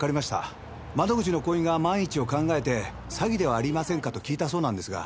窓口の行員が万一を考えて詐欺ではありませんか？と聞いたそうなんですが。